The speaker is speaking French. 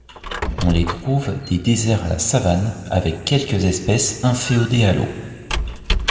On les trouve des déserts à la savane, avec quelques espèces inféodées à l'eau.